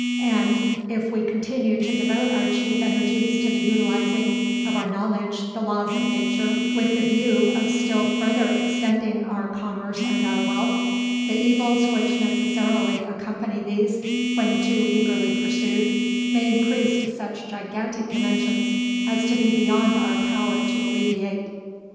[See note next page.] And if we continue to devote our chief energies to the utilizing of our knowledge the laws of nature with the view of still further extending our commerce and our wealth, the evils which necessarily accompany these when too eagerly pursued, may increase to such gigantic dimensions as to be beyond our power to alleviate.